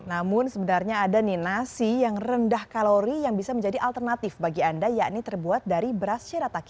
namun sebenarnya ada nih nasi yang rendah kalori yang bisa menjadi alternatif bagi anda yakni terbuat dari beras cerataki